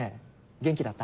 元気だった？